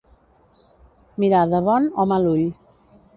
Mirar de bon o mal ull.